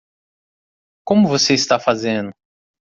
Como você está fazendo?